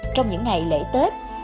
trong những ngày lễ tết